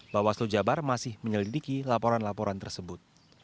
bawah seluruh jawa barat masih menyelidiki laporan laporan tersebut